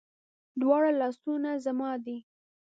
دواړه لاسونه زما دي